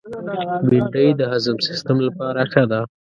بېنډۍ د هضم سیستم لپاره ښه ده